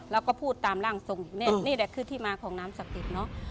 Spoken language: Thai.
เราก็พูดตามร่างทรงนี่แหละคือที่มาของน้ำสักติด